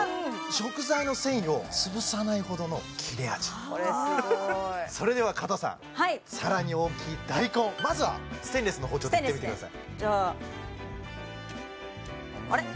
食材の繊維を潰さないほどの切れ味これすごいそれでは加藤さんはいさらに大きい大根まずはステンレスの包丁でいってみてくださいじゃああれっ